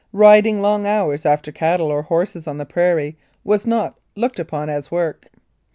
Riding long hours after cattle or horses on the prairie was not looked upon as work.